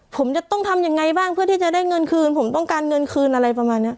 ผมจะต้องทำยังไงบ้างเพื่อที่จะได้เงินคืนผมต้องการเงินคืนอะไรประมาณนี้